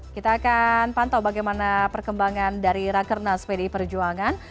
kita akan pantau bagaimana perkembangan dari rakernas pdi perjuangan